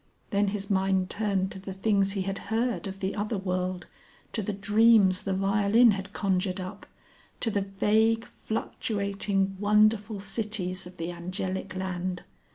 Then his mind turned to the things he had heard of the other world, to the dreams the violin had conjured up, to the vague, fluctuating, wonderful cities of the Angelic Land.